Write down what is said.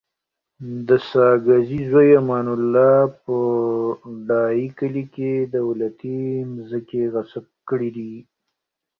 د ساګزی زوی امان الله په ډایی کلی کي دولتي مځکي غصب کړي دي